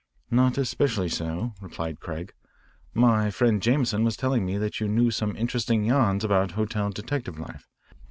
"Not especially so," replied Craig. "My friend Jameson was telling me that you knew some interesting yarns about hotel detective life.